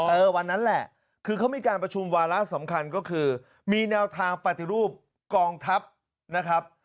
วันนั้นแหละคือเขามีการประชุมวาระสำคัญก็คือมีแนวทางปฏิรูปกองทัพนะครับ